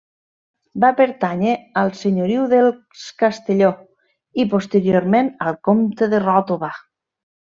Va pertànyer al senyoriu dels Castelló i, posteriorment al comte de Ròtova.